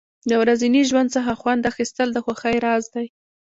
د ورځني ژوند څخه خوند اخیستل د خوښۍ راز دی.